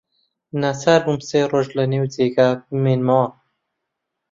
ناچار بووم سێ ڕۆژ لەنێو جێگا بمێنمەوە.